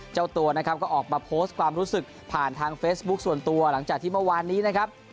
เจ้าตัวนะครับก็ออกมาโพสต์ความรู้สึกผ่านทางเฟซบุ๊คส่วนตัวหลังจากที่เมื่อวานนี้นะครับ